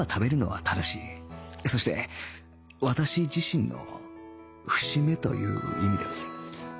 そして私自身の節目という意味でも